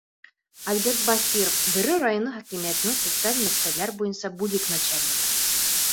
Альберт БАСИРОВ, Бөрө районы хакимиәтенең социаль мәсьәләләр буйынса бүлек начальнигы: